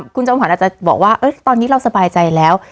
คุณจอมขวัญอาจจะบอกว่าตอนนี้เราสบายใจแล้ว